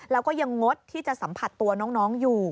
แล้วก็ยังงดที่จะสัมผัสตัวน้องอยู่